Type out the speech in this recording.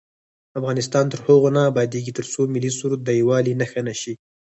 افغانستان تر هغو نه ابادیږي، ترڅو ملي سرود د یووالي نښه نشي.